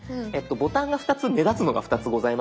ボタンが２つ目立つのが２つございますよね。